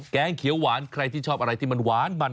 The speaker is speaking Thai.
งเขียวหวานใครที่ชอบอะไรที่มันหวานมัน